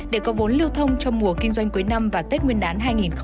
để có vốn lưu thông trong mùa kinh doanh cuối năm và tết nguyên đán hai nghìn hai mươi